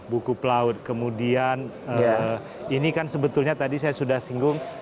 buku pelaut kemudian ini kan sebetulnya tadi saya sudah singgung